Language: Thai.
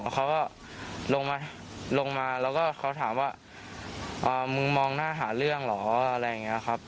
เขาก็ลงมาลงมาแล้วก็เขาถามว่ามึงมองหน้าหาเรื่องเหรออะไรอย่างนี้ครับ